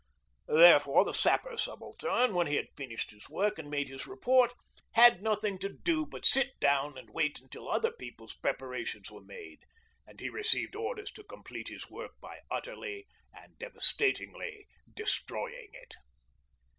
Therefore the Sapper Subaltern, when he had finished his work and made his report, had nothing to do but sit down and wait until other people's preparations were made, and he received orders to complete his work by utterly and devastatingly destroying it.